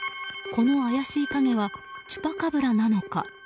この怪しい影はチュパカブラなのか。